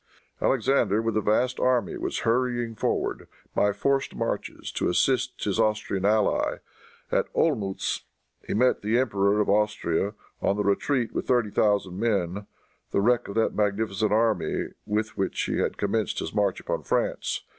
Alexander, with a vast army, was hurrying forward, by forced marches, to assist his Austrian ally. At Olmutz he met the Emperor of Austria on the retreat with thirty thousand men, the wreck of that magnificent army with which he had commenced his march upon France.